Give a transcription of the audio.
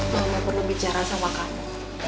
mama perlu bicara sama kamu